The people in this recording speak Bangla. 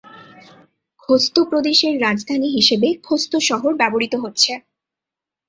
খোস্ত প্রদেশের রাজধানী হিসাবে খোস্ত শহর ব্যবহৃত হচ্ছে।